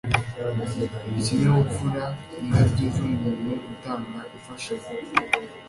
Ikinyabupfura indabyo z'umuntu utanga imfashanyo